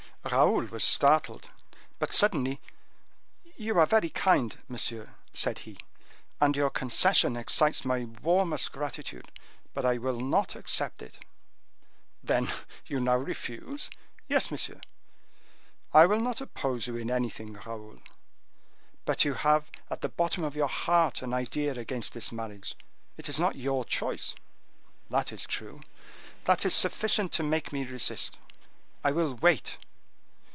Raoul was startled, but suddenly: "You are very kind, monsieur," said he; "and your concession excites my warmest gratitude, but I will not accept it." "Then you now refuse?" "Yes, monsieur." "I will not oppose you in anything, Raoul." "But you have at the bottom of your heart an idea against this marriage: it is not your choice." "That is true." "That is sufficient to make me resist: I will wait."